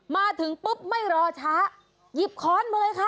มาถึงปุ๊บไม่รอช้าหยิบค้อนมาเลยค่ะ